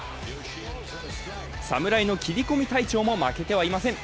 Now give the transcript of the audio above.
侍の切り込み隊長も負けてはいません。